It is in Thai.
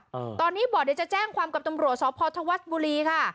อืมตอนนี้บอกเดี๋ยวจะแจ้งความกับตำรวจสพธวัฒน์บุรีค่ะ